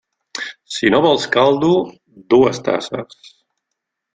Si no vols caldo, dues tasses.